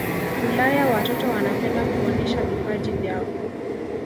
ulaya watoto wanapenda kuonesha vipaji vyao